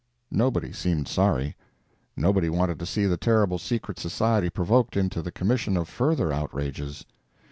Nobody seemed sorry. Nobody wanted to see the terrible secret society provoked into the commission of further outrages.